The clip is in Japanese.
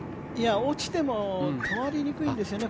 落ちても変わりにくいんですよね